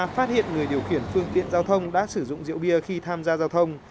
phát hiện người điều khiển phương tiện giao thông đã sử dụng rượu bia khi tham gia giao thông